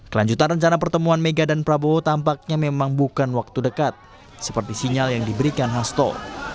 kelanjutan rencana pertemuan mega dan prabowo tampaknya memang bukan waktu dekat seperti sinyal yang diberikan hasto